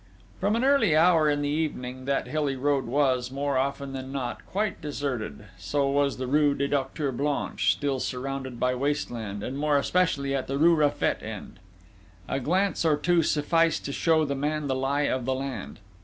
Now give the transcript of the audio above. From an early hour in the evening, that hilly road was, more often than not, quite deserted, so was the rue du Docteur Blanche, still surrounded by waste land, and more especially at the rue Raffet end. A glance or two sufficed to show the man the lie of the land.